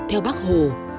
theo bác hồ